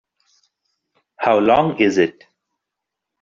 How long is it?